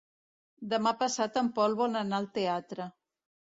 Demà passat en Pol vol anar al teatre.